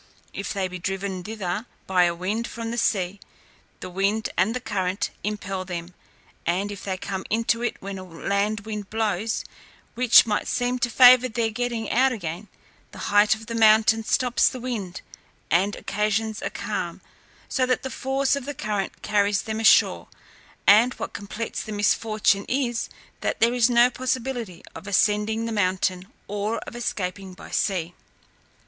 If they be driven thither by a wind from the sea, the wind and the current impel them; and if they come into it when a land wind blows, which might seem to favour their getting out again, the height of the mountain stops the wind, and occasions a calm, so that the force of the current carries them ashore: and what completes the misfortune is, that there is no possibility of ascending the mountain, or of escaping by sea.